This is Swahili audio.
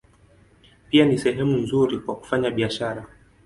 Pia ni sehemu nzuri kwa kufanya biashara.